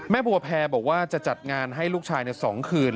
บัวแพรบอกว่าจะจัดงานให้ลูกชายใน๒คืน